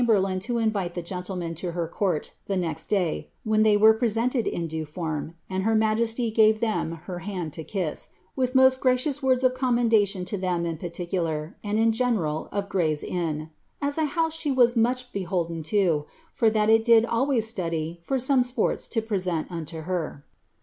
133 cinniberlaiii to ioTite the gentlemen to her court the next day, when diev were presented in due form, and her majesty gave them her hand TO kiss, with most gracious words of commendation to them in par iknlar, and in general of Gray's Fnn, ^ as a house she was much beholden to, for that it did always study for some sports to present unto her."